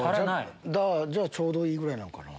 ちょうどいいぐらいなのかな。